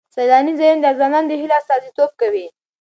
سیلاني ځایونه د ځوانانو د هیلو استازیتوب کوي.